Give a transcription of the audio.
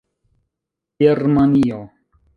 Germanio